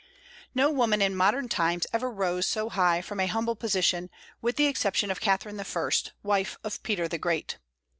No woman in modern times ever rose so high from a humble position, with the exception of Catherine I, wife of Peter the Great.